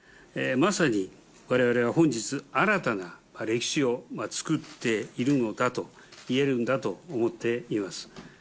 まさにわれわれは本日、新たな歴史を作っているのだと言えるんだと思っています。